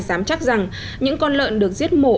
dám chắc rằng những con lợn được giết mổ